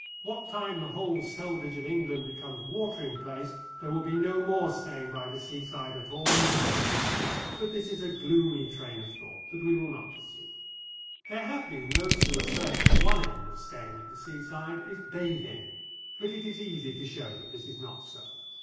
What time the whole selvage of England becomes watering place, there will be no more staying by the seaside at all in the land. But this is a gloomy train of thought that we will not pursue. There have been those who assert that one end of staying at the seaside is bathing; but it is easy to show that this is not so.